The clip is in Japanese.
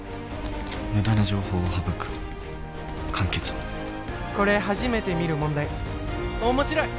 無駄な情報は省く簡潔にこれ初めて見る問題面白い！